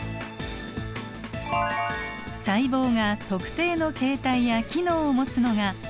細胞が特定の形態や機能を持つのが細胞の分化。